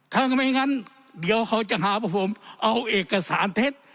ถ้าไม่งั้นเดี๋ยวเขาจะหาว่าผมเอาเอกสารเท็จ